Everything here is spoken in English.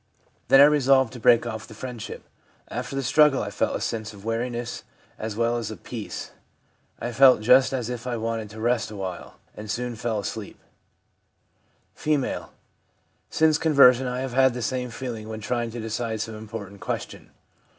Then I resolved to break off the friendship. After the struggle I felt a sense of weariness as well as of peace. I felt just as if I wanted to rest awhile, and soon fell asleep/ F. ' Since conversion I have had the same feelings when trying to decide some important question.